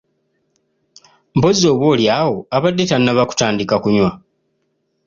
Mpozzi oba oli awo abadde tannaba kutandika kunywa.